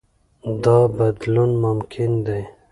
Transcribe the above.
دا بدلون ممکن دی.